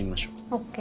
ＯＫ